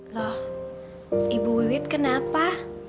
loh ibu wiwet kenapa